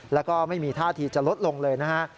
แล้วก็ไม่มีท่าทีจะลดลงเลยนะฮะ